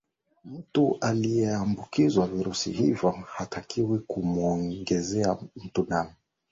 mtu aliyeambukizwa virusi hivyo hatakiwi kumuongezea mtu damu